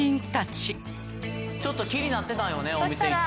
ちょっと気になってたんよね